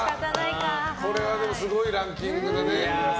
これはすごいランキングだね。